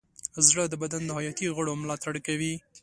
زړه د بدن د حیاتي غړو ملاتړ کوي.